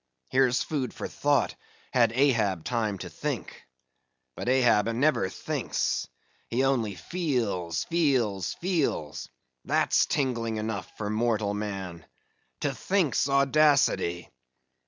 Here's food for thought, had Ahab time to think; but Ahab never thinks; he only feels, feels, feels; that's tingling enough for mortal man! to think's audacity.